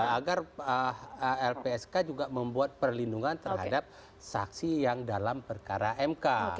agar lpsk juga membuat perlindungan terhadap saksi yang dalam perkara mk